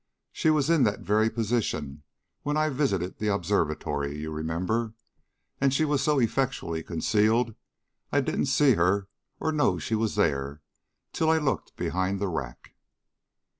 She was in that very position when I visited the observatory, you remember, and she was so effectually concealed I didn't see her or know she was there, till I looked behind the rack."